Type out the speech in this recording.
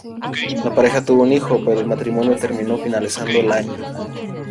La pareja tuvo un hijo, pero el matrimonio terminó finalizando el año.